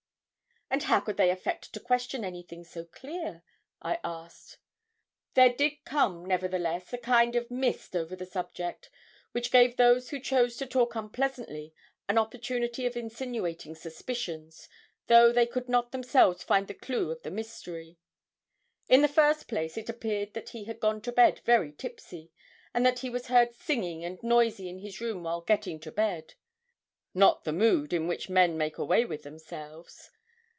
'And how could they affect to question anything so clear?' I asked. 'There did come, nevertheless, a kind of mist over the subject, which gave those who chose to talk unpleasantly an opportunity of insinuating suspicions, though they could not themselves find the clue of the mystery. In the first place, it appeared that he had gone to bed very tipsy, and that he was heard singing and noisy in his room while getting to bed not the mood in which men make away with themselves.